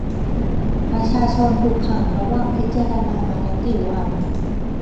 ประชาชนถูกขังระหว่างพิจารณามาแล้วกี่วัน ?